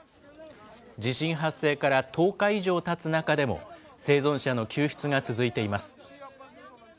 地震発生から１０日以上たつ中でも、生存者の救出が続いています。